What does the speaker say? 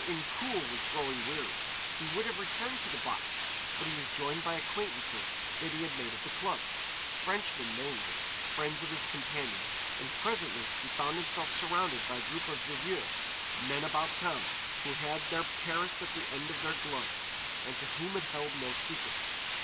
Incoul was growing weary; he would have returned to the box, but he was joined by acquaintances that he had made at the club, Frenchmen mainly, friends of his companion, and presently he found himself surrounded by a group of viveurs, men about town, who had their Paris at the end of their gloves, and to whom it held no secrets.